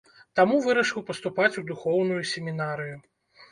Таму вырашыў паступаць у духоўную семінарыю.